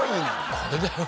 これだよ？